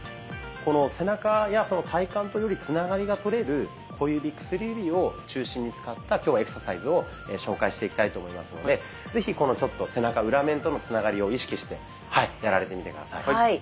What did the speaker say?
この背中や体幹とよりつながりがとれる小指・薬指を中心に使った今日はエクササイズを紹介していきたいと思いますので是非この背中裏面とのつながりを意識してやられてみて下さい。